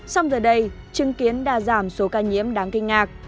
xong giờ đây chứng kiến đa giảm số ca nhiễm đáng kinh ngạc